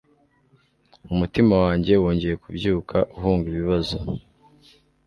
umutima wanjye wongeye kubyuka, uhunga ibibazo